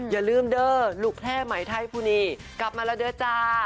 อย่าลืมเด้อลูกแพร่ใหม่ไทยภูนีกลับมาแล้วเด้อจ้า